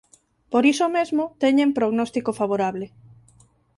Por iso mesmo teñen prognóstico favorable.